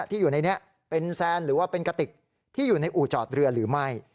ที่อยู่ในนี้เป็นแซนหรือว่าเป็นกระติกที่อยู่ในอู่จอดเรือหรือไม่